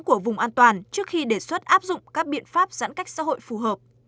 của vùng an toàn trước khi đề xuất áp dụng các biện pháp giãn cách xã hội phù hợp